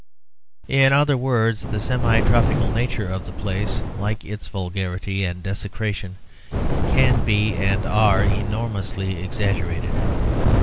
In other words, the semi tropical nature of the place, like its vulgarity and desecration, can be, and are, enormously exaggerated.